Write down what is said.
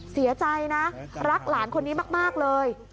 เสียใจนะรักหลานคนนี้มากเลย